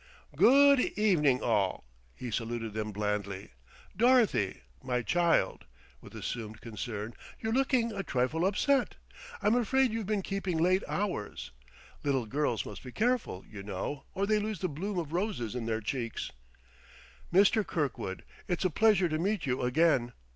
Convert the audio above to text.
"Good evening, all!" he saluted them blandly. "Dorothy, my child," with assumed concern, "you're looking a trifle upset; I'm afraid you've been keeping late hours. Little girls must be careful, you know, or they lose the bloom of roses in their cheeks.... Mr. Kirkwood, it's a pleasure to meet you again!